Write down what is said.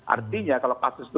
artinya kalau kasus itu naik tinggi